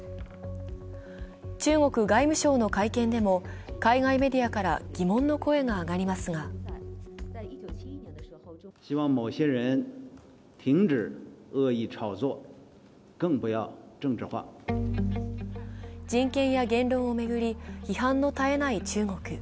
中国外務省の会見でも海外メディアから疑問の声が上がりますが人権や言論を巡り批判の絶えない中国。